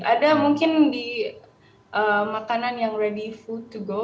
ada mungkin di makanan yang ready food to go